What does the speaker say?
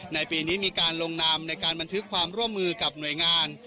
ในปีนี้มีการลงนามในการบันทึกความร่วมมือกับหน่วยงาน